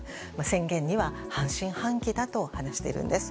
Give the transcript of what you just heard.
宣言には半信半疑だと話しているんです。